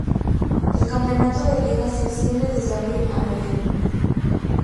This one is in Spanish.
El campeonato de liga se extiende desde abril a noviembre.